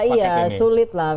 iya sulit lah